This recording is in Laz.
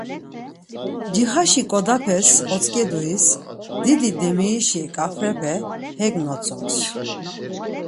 Cixaşi ǩodapes otzǩeduis didi demirişi ǩafrepe hek notsons.